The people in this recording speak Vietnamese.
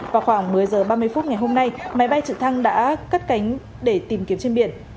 vào khoảng một mươi h ba mươi phút ngày hôm nay máy bay trực thăng đã cất cánh để tìm kiếm trên biển